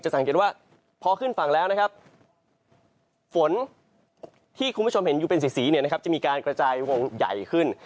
สังเกตว่าพอขึ้นฝั่งแล้วนะครับฝนที่คุณผู้ชมเห็นอยู่เป็นสีเนี่ยนะครับจะมีการกระจายวงใหญ่ขึ้น